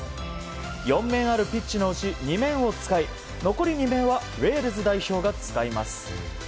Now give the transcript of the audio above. ４面あるピッチのうち２面を使い残り２面はウェールズ代表が使います。